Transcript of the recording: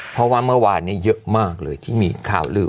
เพราะว่าเมื่อวานนี้เยอะมากเลยที่มีข่าวลืม